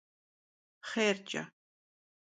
Xhêrç'e!